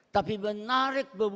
tapi menarik memotivasi